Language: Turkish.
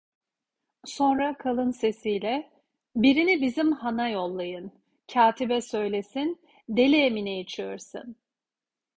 Sonra kalın sesiyle: "Birini bizim hana yollayın, katibe söylesin, Deli Emine'yi çığırsın!"